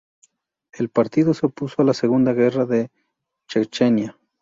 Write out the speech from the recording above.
El partido se opuso a la segunda guerra de Chechenia.